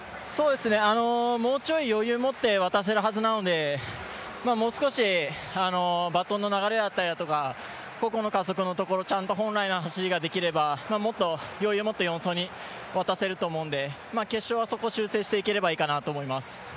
もうちょい余裕を持って渡せるはずなので、もう少しバトンの流れだったりとか個々の加速のところ、ちゃんと本来の走りができればもっと余裕を持って４走に渡せると思うんで決勝はそこを修正していければいいかなと思います。